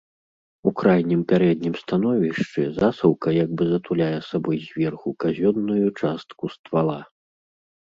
У крайнім пярэднім становішчы засаўка як бы затуляе сабой зверху казённую частку ствала.